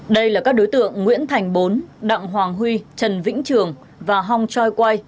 đây là các đối tượng nguyễn thành bốn đặng hoàng huy trần vĩnh trường và hồng choi quay